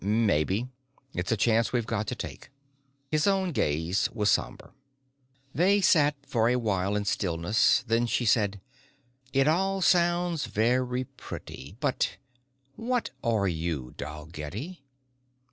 "Maybe. It's a chance we've got to take." His own gaze was somber. They sat for awhile in stillness. Then she said, "It all sounds very pretty. But what are you, Dalgetty?"